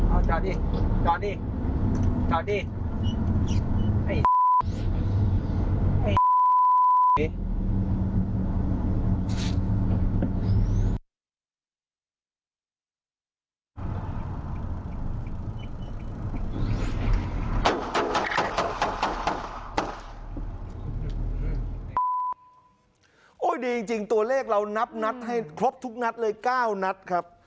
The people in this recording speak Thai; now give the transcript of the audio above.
ดีจริงตัวเลขเรานับนัดให้ครบทุกนัดเลย๙นัดครับ